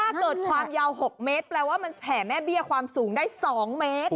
ความยาว๖เมตรแปลว่ามันแผ่แม่เบี้ยความสูงได้๒เมตร